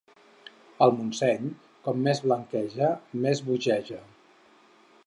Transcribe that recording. El Montseny, com més blanqueja, més bogeja.